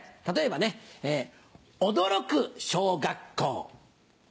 例えばね驚く小学校。